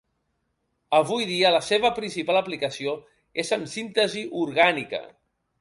Avui dia, la seva principal aplicació és en síntesi orgànica.